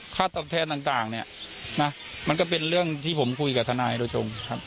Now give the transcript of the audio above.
ค่าตอบแทนต่างต่างเนี้ยนะมันก็เป็นเรื่องที่ผมคุยกับธนายโจ๊กส์